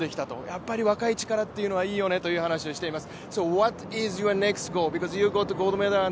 やっぱり若い力というのはいいよねという話をしています。